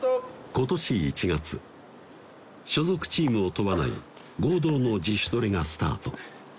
今年１月所属チームを問わない合同の自主トレがスタート